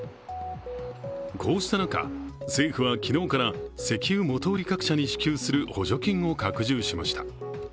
こうした中、政府は昨日から石油元売り各社に支給する補助金を拡充しました。